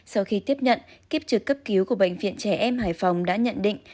sau khi tiếp nhận kiếp trực cấp cứu của bệnh viện trẻ em hải phòng đã nhận định